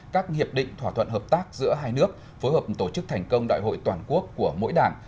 các hiệp định thỏa thuận hợp tác giữa hai nước phối hợp tổ chức thành công đại hội toàn quốc của mỗi đảng